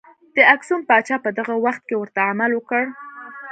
د اکسوم پاچا په دغه وخت کې ورته عمل وکړ.